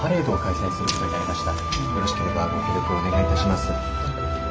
よろしければご協力をお願いいたします。